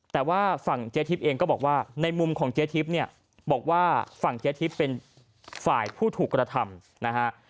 แต่ว่าฝั่งเจ๊ทิพย์เองก็บอกว่าในมุมของเจ๊ทิพย์เนี่ยบอกว่าฝั่งเจ๊ทิพย์เป็นฝ่ายผู้ถูกกระทำนะฮะ